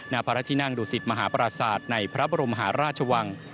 ณพระที่นั่งดูสิตมหาปราศาสตร์ในพระบรมหาราชวัง